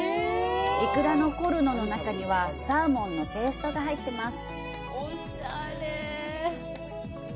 イクラのコルノの中にはサーモンのペーストが入っています。